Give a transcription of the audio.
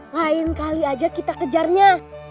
lain kali aja kita kejarnya